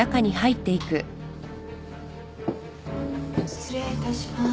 失礼いたします。